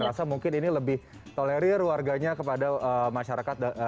rasa mungkin ini lebih tolerir warganya kepada masyarakat dan masyarakat indonesia yang terhadap